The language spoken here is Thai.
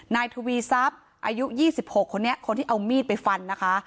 นายทวีทรัพย์อายุ๒๖คนนี้คนที่เอามีดไปฟันนะคะ